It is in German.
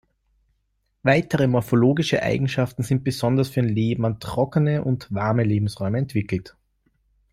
Weitere morphologische Eigenschaften sind besonders für ein Leben an trockene und warme Lebensräume entwickelt.